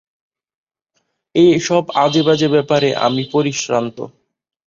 এই সব আজে-বাজে ব্যাপারে আমি পরিশ্রান্ত।